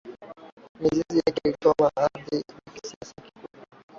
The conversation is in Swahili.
Mizizi yake huchomoza juu ya ardhi kwa kiasi kikubwa